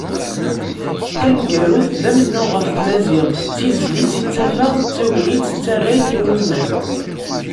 Taneggarut, d amennuɣ ɣef tmaziɣt, d tizlit i ttafeɣ d tagnit d tarrayt iwulmen.